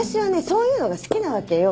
そういうのが好きなわけよ。